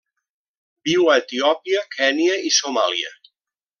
Viu a Etiòpia, Kenya i Somàlia.